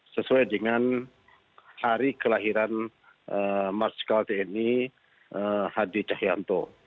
sesuai dengan hari kelahiran marsikal tni hadi cahyanto